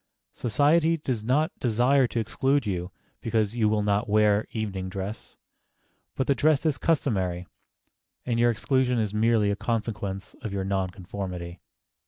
Society does not desire to exclude you because you will not wear evening dress; but the dress is customary, and your exclusion is merely a consequence of your non conformity.